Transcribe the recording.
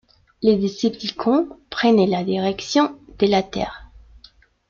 Les Decepticons prennent la direction de la Terre.